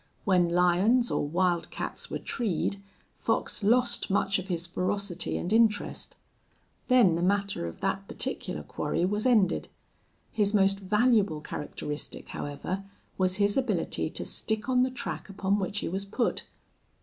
When lions or wildcats were treed Fox lost much of his ferocity and interest. Then the matter of that particular quarry was ended. His most valuable characteristic, however, was his ability to stick on the track upon which he was put.